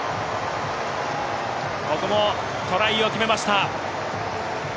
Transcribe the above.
ここもトライを決めました。